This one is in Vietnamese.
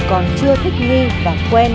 còn chưa thích nghi và quen